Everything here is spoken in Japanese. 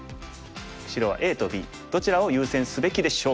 白はＡとＢどちらを優先すべきでしょうか。